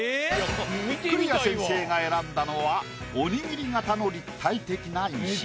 栗屋先生が選んだのはおにぎり型の立体的な石。